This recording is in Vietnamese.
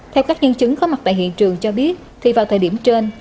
theo các nhân chứng có mặt tại hiện trường cho biết thì vào thời điểm trên